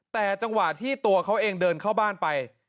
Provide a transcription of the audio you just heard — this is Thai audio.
แต่จังหวะที่ตัวเขาเองเดินเข้าบ้านไป